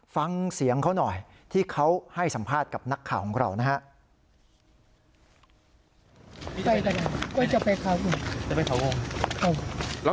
ฟังเสียงเขาหน่อยที่เขาให้สัมภาษณ์กับนักข่าวของเรานะครับ